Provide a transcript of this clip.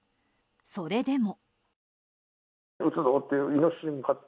それでも。